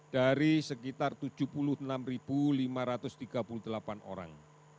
dari sekitar tujuh puluh enam lima ratus tiga puluh delapan orang